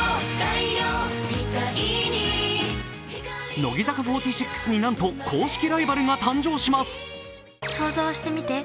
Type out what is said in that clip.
乃木坂４６に、なんと公式ライバルが誕生します。